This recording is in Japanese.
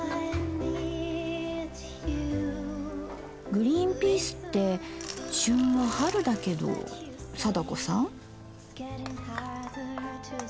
グリーンピースって旬は春だけど貞子さん？